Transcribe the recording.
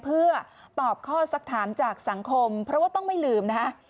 เพื่อตอบข้อสักถามจากสังคมเพราะว่าต้องไม่ลืมนะฮะ